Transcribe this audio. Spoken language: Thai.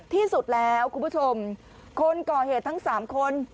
ที่สุดแล้วคุณผู้ชมคนก่อเหตุทั้ง๓คน